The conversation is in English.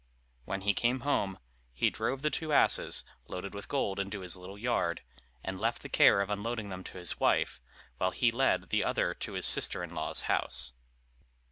When he came home, he drove the two asses loaded with gold into his little yard, and left the care of unloading them to his wife, while he led the other to his sister in law's house.